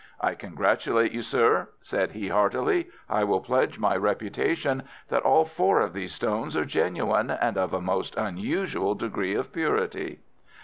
"I congratulate you, sir," said he, heartily. "I will pledge my reputation that all four of these stones are genuine, and of a most unusual degree of purity."